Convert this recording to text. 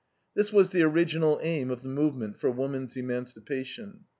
This was the original aim of the movement for woman's emancipation.